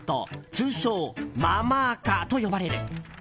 通称ママ垢と呼ばれる。